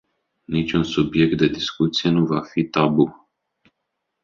Niciun subiect de discuție nu va fi tabu.